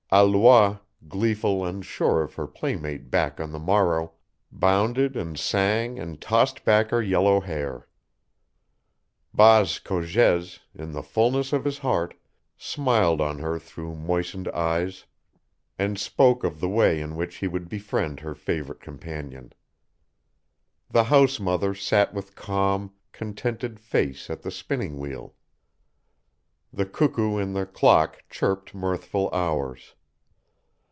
Alois, gleeful and sure of her playmate back on the morrow, bounded and sang and tossed back her yellow hair. Baas Cogez, in the fulness of his heart, smiled on her through moistened eyes, and spoke of the way in which he would befriend her favorite companion; the house mother sat with calm, contented face at the spinning wheel; the cuckoo in the clock chirped mirthful hours.